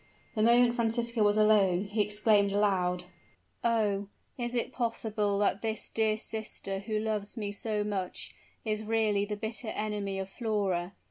The moment Francisco was alone, he exclaimed aloud, "Oh! is it possible that this dear sister who loves me so much, is really the bitter enemy of Flora?